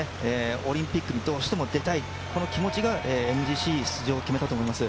オリンピックにどうしても出たい、この気持ちがＭＧＣ出場を決めたと思います。